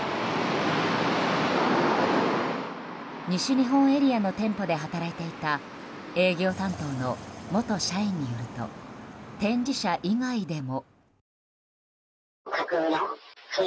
西日本エリアの店舗で働いていた営業担当の元社員によると展示車以外でも。